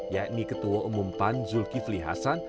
yakni ketua umum pan zulkifli hasan